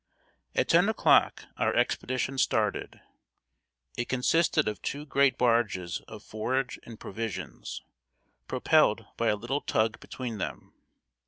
] At ten o'clock our expedition started. It consisted of two great barges of forage and provisions, propelled by a little tug between them.